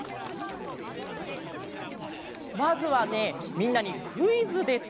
まずはねみんなにクイズです。